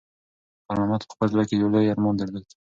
خیر محمد په خپل زړه کې یو لوی ارمان درلود.